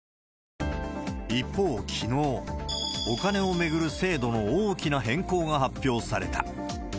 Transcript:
一方、きのう、お金を巡る制度の大きな変更が発表された。